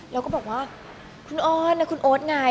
แล้วก็บอกว่าคุณออนนะคุณโอ๊ตไง